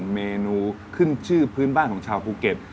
เมนูขึ้นชื่อพื้นบ้านของชาวภูเก็ต